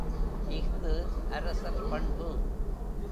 இஃது அரசர் பண்பு.